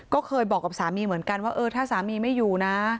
ก็เคยบอกกับสามีเหมือนกันว่าเออถ้าสามีไม่อยู่นะ